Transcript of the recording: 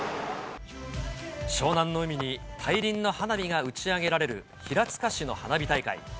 湘南の海に大輪の花火が打ち上げられる平塚市の花火大会。